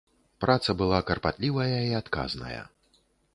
Праца была карпатлівая і адказная.